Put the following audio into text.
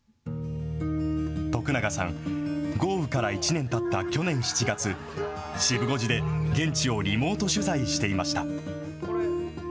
徳永さん、豪雨から１年たった去年７月、シブ５時で現地をリモート取材していました。